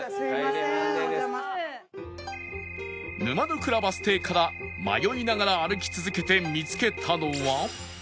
沼の倉バス停から迷いながら歩き続けて見つけたのは